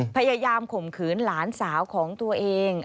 ข่มขืนหลานสาวของตัวเอง